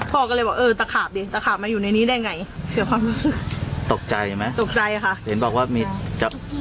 พ่อก็เลยบอกเออตะขาบดิตะขาบมาอยู่ในนี้ได้ไง